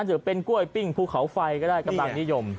เถอะเป็นกล้วยปิ้งพูขาวไฟก็ได้กมดังนิยม